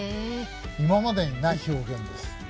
今までにない表現です。